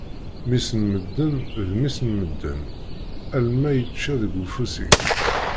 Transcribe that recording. Mmi-s n medden, d mmi-s n medden, alemma yečča deg ufus-ik.